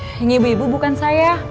ini ibu ibu bukan saya